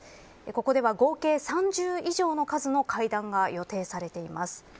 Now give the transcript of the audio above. ここでは合計３０以上の数の会談が予定されています。